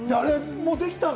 もうできたの？